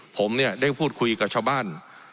ผมเนี่ยได้พูดคุยกับชาวบ้าน